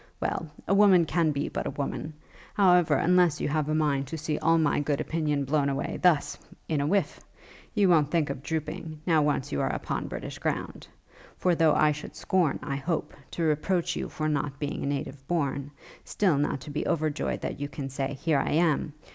Well! a woman can be but a woman! However, unless you have a mind to see all my good opinion blown away thus! in a whiff, you won't think of drooping, now once you are upon British ground. For though I should scorn, I hope, to reproach you for not being a native born, still, not to be over joyed that you can say, Here I am!